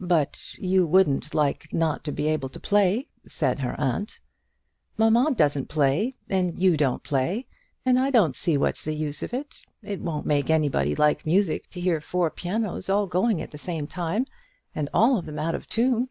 "But you wouldn't like not to be able to play," said her aunt. "Mamma doesn't play, and you don't play; and I don't see what's the use of it. It won't make anybody like music to hear four pianos all going at the same time, and all of them out of tune."